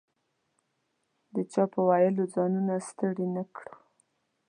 د چا په ویلو ځانونه ستړي نه کړو.